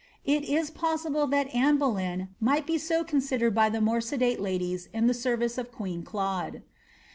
It is that Anne Boleyn might be so considered by the more sedate 1 the service of queen Claude.